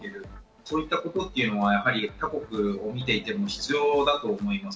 そういったことというのは他国を見ていても必要だと思います。